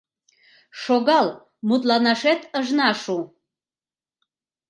Шогал мутланашет ышна шу.